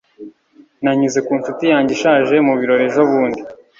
Nanyuze ku nshuti yanjye ishaje mu birori ejobundi